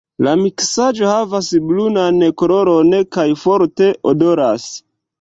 La miksaĵo havas brunan koloron kaj forte odoras.